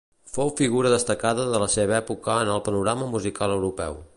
Fou figura destacada de la seva època en el panorama musical europeu.